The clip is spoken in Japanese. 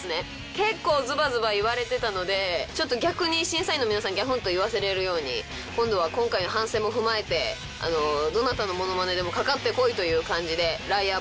結構ズバズバ言われてたのでちょっと逆に審査員の皆さんぎゃふんと言わせれるように今度は今回の反省も踏まえてどなたの物まねでもかかってこいという感じでライアー